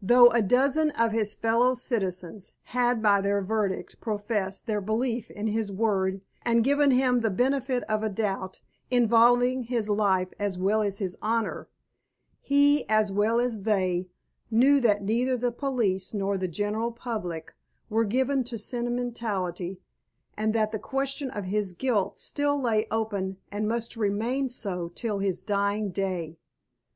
Though a dozen of his fellow citizens had by their verdict professed their belief in his word and given him the benefit of a doubt involving his life as well as his honour, he, as well as they, knew that neither the police nor the general public were given to sentimentality, and that the question of his guilt still lay open and must remain so till his dying day.